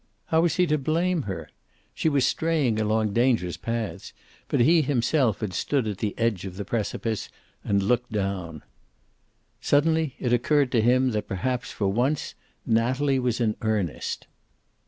How was he to blame her? She was straying along dangerous paths, but he himself had stood at the edge of the precipice, and looked down. Suddenly it occurred to him that perhaps, for once, Natalie was in earnest.